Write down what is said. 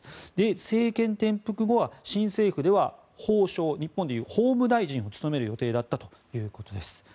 政権転覆後は新政府では法相日本でいう法務大臣を務める予定だったということです。